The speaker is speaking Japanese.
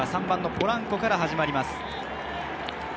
３番・ポランコから始まります。